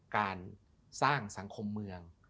การสร้างสังคมเมือง